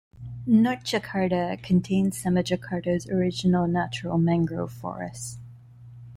North Jakarta contains some of Jakarta's original natural mangrove forests.